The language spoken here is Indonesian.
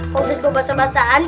pak ustadz gua basah basahan